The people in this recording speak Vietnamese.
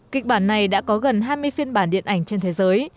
kịch bản này đã có gần hai mươi phiên bản điện ảnh trên thế giới